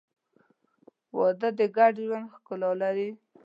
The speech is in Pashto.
• واده د ګډ ژوند ښکلا لري.